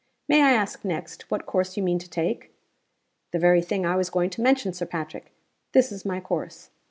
May I ask, next, what course you mean to take?' 'The very thing I was going to mention, Sir Patrick! This is my course.